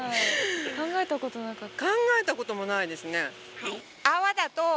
考えたことなかった。